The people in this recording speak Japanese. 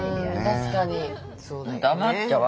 確かに。